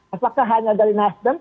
apakah hanya dari nasdem